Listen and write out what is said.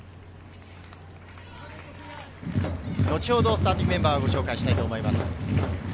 後ほどスターティングメンバーをご紹介します。